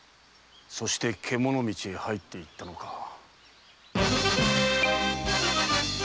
そして獣道へ入っていったのか。